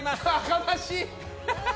悲しい。